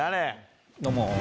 どうも。